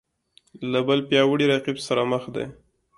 له بل پیاوړي رقیب سره مخ دی